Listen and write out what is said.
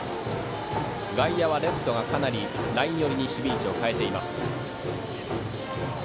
外野、レフトがかなりライン寄りに守備位置を変えています。